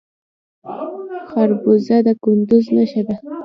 خربوزه د کندز نښه ده.